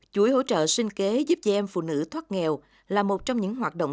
chuỗi hỗ trợ sinh kế giúp chị em phụ nữ thoát nghèo là một trong những hoạt động